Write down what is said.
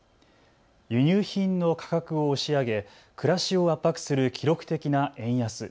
輸入品の価格を押し上げ暮らしを圧迫する記録的な円安。